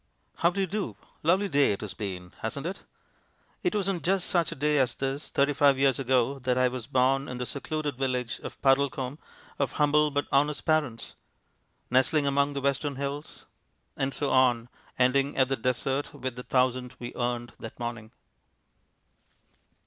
"How do you do. Lovely day it has been, hasn't it? It was on just such a day as this, thirty five years ago, that I was born in the secluded village of Puddlecome of humble but honest parents. Nestling among the western hills..." And so on. Ending, at the dessert, with the thousand we earned that morning.